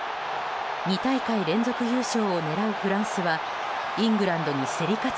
２大会連続優勝を狙うフランスはイングランドに競り勝つ